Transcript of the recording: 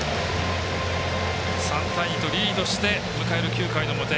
３対２とリードして迎える９回の表。